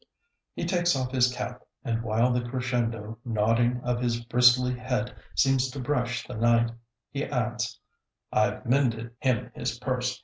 He takes off his cap, and while the crescendo nodding of his bristly head seems to brush the night, he adds: "I've mended him his purse.